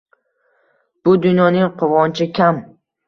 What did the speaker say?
Bu dunyoning quvonchi kam